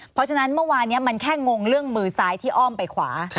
เพราะฉะนั้นเมื่อวานนี้มันแค่งงเรื่องมือซ้ายที่อ้อมไปขวา